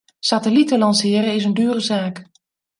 Satellieten lanceren is een dure zaak.